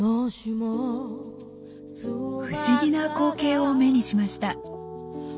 ふしぎな光景を目にしました。